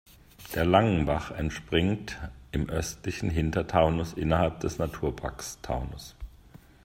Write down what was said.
Der Langenbach entspringt im Östlichen Hintertaunus innerhalb des Naturparks Taunus.